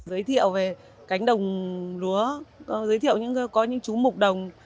giới thiệu về cánh đồng lúa giới thiệu có những chú mục đồng